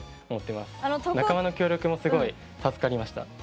仲間の協力もすごい助かりました。